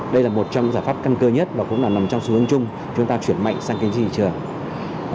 đây là một trong giải pháp căn cơ nhất và cũng là nằm trong xu hướng chung chúng ta chuyển mạnh sang cái thị trường